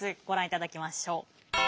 ご覧いただきましょう。